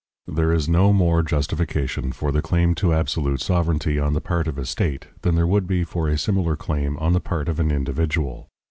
There is no more justification for the claim to absolute sovereignty on the part of a state than there would be for a similar claim on the part of an individual.